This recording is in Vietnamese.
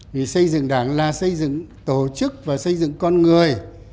vì xây dựng đảng là xây dựng tổ chức và xây dựng con người